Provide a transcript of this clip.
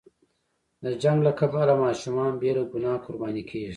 د جنګ له کبله ماشومان بې له ګناه قرباني کېږي.